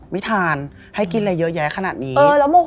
ไม่ชอบให้กินเยอะแยะขนาดนี้